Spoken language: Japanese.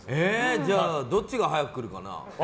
じゃあどっちが早く来るかな。